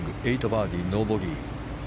バーディー、ノーボギー。